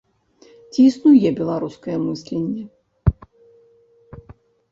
Ці існуе беларускае мысленне?